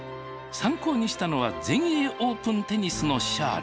参考にしたのは全英オープンテニスのシャーレ。